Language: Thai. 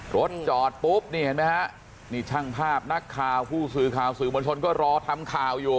รถจอดปุ๊บนี่เห็นไหมฮะนี่ช่างภาพนักข่าวผู้สื่อข่าวสื่อมวลชนก็รอทำข่าวอยู่